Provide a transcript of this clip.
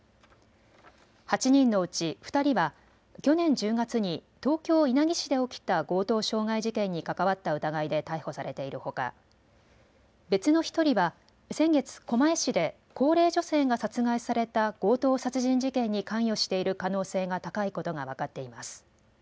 ８人のうち２人は去年１０月に東京稲城市で起きた強盗傷害事件に関わった疑いで逮捕されているほか別の１人は先月、狛江市で高齢女性が殺害された強盗殺人事件に関与している可能性が高いことが分かっています。